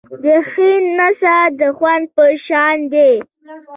د ښې نڅا د خوند په شان دی.